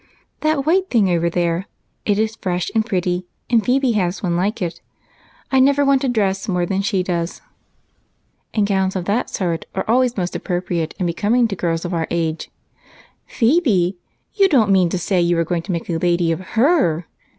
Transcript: "That white thing over there. It is fresh and pretty, and Phebe has one like it. I never want to dress more than she does, and gowns of that sort are always most becoming and appropriate to girls of our age." "Phebe! You don't mean to say you are going to make a lady of her!"